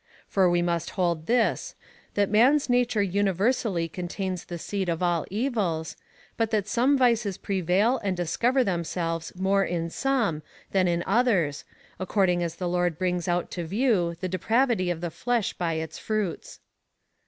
For we must hold this, that man's nature universally contains the seed of all evils, but that some vices j)revail and discover themselves more in some than in others, according as the Lord brings out to view the de praAdty of the flesh by its fruits.